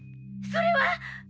それは。